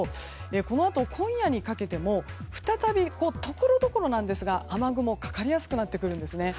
このあと今夜にかけても再び、ところどころなんですが雨雲、かかりやすくなってくるんですね。